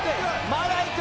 まだいく。